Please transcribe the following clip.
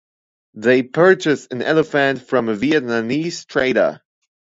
They purchase an elephant from a Vietnamese trader.